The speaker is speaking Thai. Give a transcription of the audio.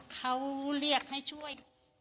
เขาเรียกให้ช่วย